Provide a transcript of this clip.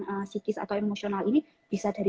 psikis atau emosional ini bisa dari